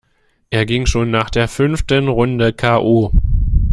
Er ging schon nach der fünften Runde k. o..